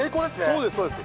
そうです、そうです。